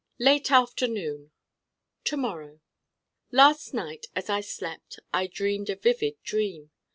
Late afternoon To morrow Last night as I slept I dreamed a vivid dream.